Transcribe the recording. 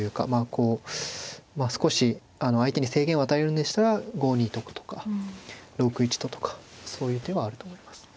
こう少し相手に制限を与えるんでしたら５二ととか６一ととかそういう手はあると思います。